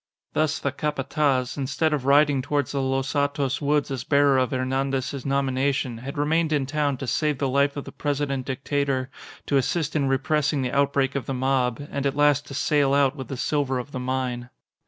Thus the Capataz, instead of riding towards the Los Hatos woods as bearer of Hernandez's nomination, had remained in town to save the life of the President Dictator, to assist in repressing the outbreak of the mob, and at last to sail out with the silver of the mine.